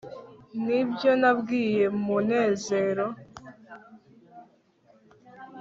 nibyo nabwiye munezero